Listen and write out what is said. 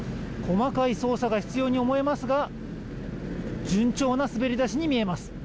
細かい操作が必要に思いますが順調なすべり出しに見えます。